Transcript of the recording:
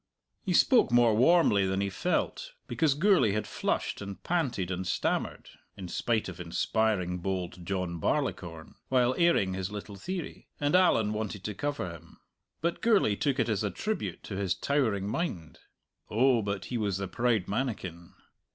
He spoke more warmly than he felt, because Gourlay had flushed and panted and stammered (in spite of inspiring bold John Barleycorn) while airing his little theory, and Allan wanted to cover him. But Gourlay took it as a tribute to his towering mind. Oh, but he was the proud mannikin.